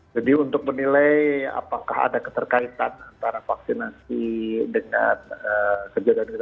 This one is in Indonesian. untuk menilai apakah ada keterkaitan antara vaksinasi dengan kejadian kejadian